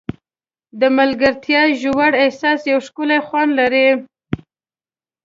د ملګرتیا ژور احساس یو ښکلی خوند لري.